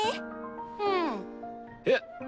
うん。えっ？